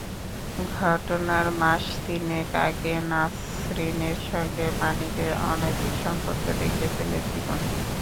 ঘটনার মাস তিনেক আগে নাসরিনের সঙ্গে মানিকের অনৈতিক সম্পর্ক দেখে ফেলে জীবন।